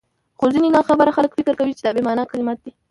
خو ځيني ناخبره خلک فکر کوي چي دا بې مانا کلمات دي،